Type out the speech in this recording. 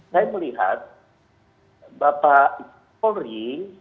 saya melihat bapak polri